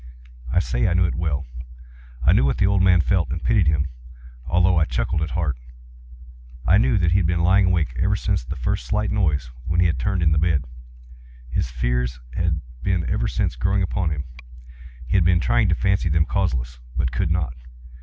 I say I knew it well. I knew what the old man felt, and pitied him, although I chuckled at heart. I knew that he had been lying awake ever since the first slight noise, when he had turned in the bed. His fears had been ever since growing upon him. He had been trying to fancy them causeless, but could not.